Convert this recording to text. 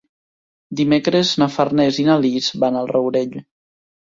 Dimecres na Farners i na Lis van al Rourell.